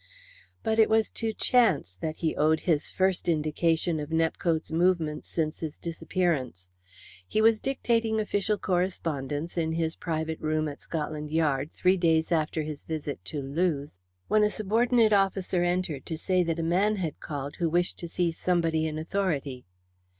But it was to chance that he owed his first indication of Nepcote's movements since his disappearance. He was dictating official correspondence in his private room at Scotland Yard three days after his visit to Lewes, when a subordinate officer entered to say that a man had called who wished to see somebody in authority.